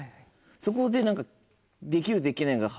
そこで何か。